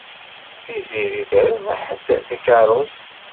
Tiziri terbeḥ-d takeṛṛust.